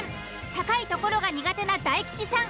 高い所が苦手な大吉さん